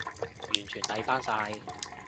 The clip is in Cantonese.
完全抵返晒